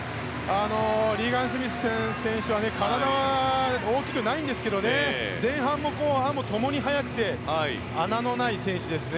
リーガン・スミス選手は体は大きくないですが前半も後半も共に速くて穴のない選手ですね。